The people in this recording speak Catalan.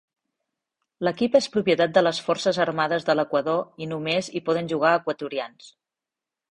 L'equip és propietat de les forces armades de l'Equador i només hi poden jugar equatorians.